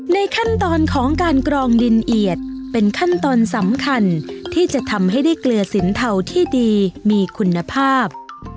ในขั้นตอนของการกรองดินเอียดเป็นขั้นตอนสำคัญที่จะทำให้ได้เกลือสินเทาที่ดีมีคุณภาพ